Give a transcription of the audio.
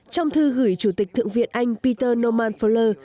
trong thư gửi chủ tịch thượng viện anh peter norman fuller